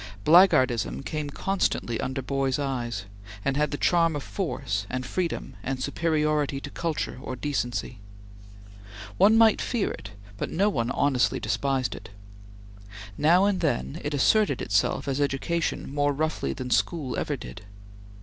Blackguardism came constantly under boys' eyes, and had the charm of force and freedom and superiority to culture or decency. One might fear it, but no one honestly despised it. Now and then it asserted itself as education more roughly than school ever did.